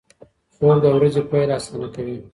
خوب د ورځې پیل اسانه کوي.